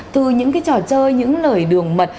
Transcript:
từ những trò chơi những lời đường mật